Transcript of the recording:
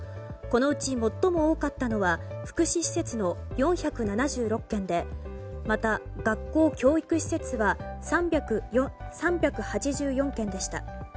このうち最も多かったのは福祉施設の４７６件でまた、学校・教育施設は３８４件でした。